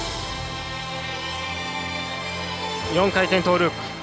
４回転トーループ。